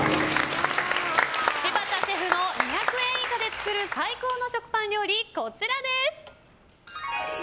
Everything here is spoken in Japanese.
柴田シェフの２００円以下で作る最高の食パン料理、こちらです。